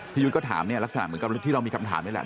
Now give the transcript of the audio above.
พี่ยุทธ์ก็ถามรักษณะเหมือนกับที่เรามีคำถามนี้แหละ